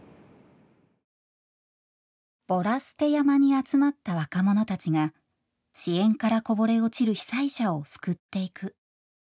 ボラ捨て山に集まった若者たちが支援からこぼれ落ちる被災者を救っていく。